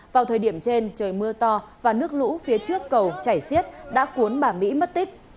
vào thời điểm trên trời mưa to và nước lũ phía trước cầu chảy xiết đã cuốn bà mỹ mất tích